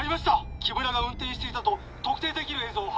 木村が運転していたと特定できる映像を発見！